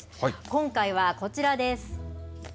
今回はこちらです。